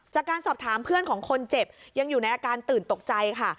จากการสอบถามเพื่อนของคนเจ็บยังอยู่ในอาการตื่นตกใจค่ะ